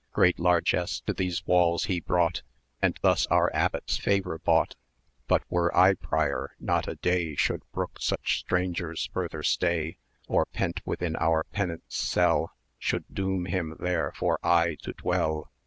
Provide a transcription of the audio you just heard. Great largess to these walls he brought, And thus our Abbot's favour bought; But were I Prior, not a day Should brook such stranger's further stay, Or pent within our penance cell 820 Should doom him there for aye to dwell.